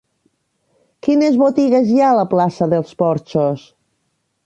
Quines botigues hi ha a la plaça dels Porxos?